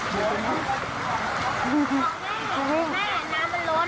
ออกได้เห็นไหมให้แห่งน้ำมันล้น